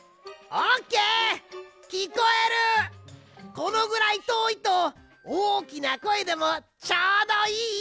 このぐらいとおいとおおきなこえでもちょうどいい。